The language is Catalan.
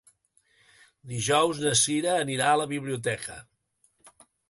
Dijous na Cira anirà a la biblioteca.